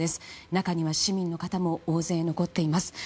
中には市民の方も大勢残っています。